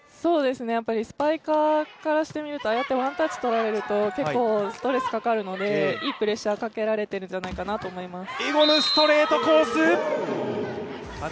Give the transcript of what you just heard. スパイカーからしてみると、ワンタッチとられると結構ストレスかかるので、いいプレッシャーかけられているんじゃないかなと思います。